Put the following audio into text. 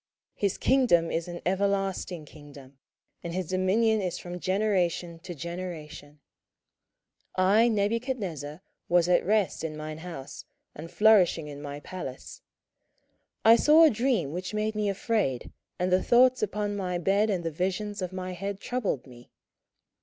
his kingdom is an everlasting kingdom, and his dominion is from generation to generation. 27:004:004 I Nebuchadnezzar was at rest in mine house, and flourishing in my palace: 27:004:005 I saw a dream which made me afraid, and the thoughts upon my bed and the visions of my head troubled me.